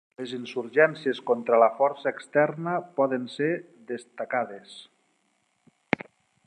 Les insurgències contra la força externa poden ser destacades.